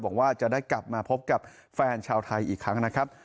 บอกว่าจะได้กลับมาพบกับแฟนชาวไทยอีกครั้งนะครับ